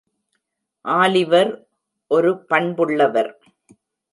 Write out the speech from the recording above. Oliver ஒரு பண்புள்ளவர்.